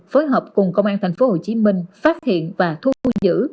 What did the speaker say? phối hợp cùng công an thành phố hồ chí minh phát hiện và thu giữ